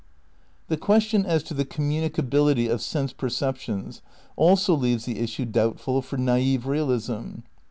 The question as to the "communicability" of sense perceptions also leaves the issue doubtful for naif realism.